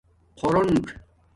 خُورُنڅ